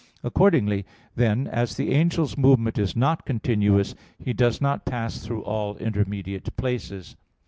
Accordingly, then, as the angel's movement is not continuous, he does not pass through all intermediate places.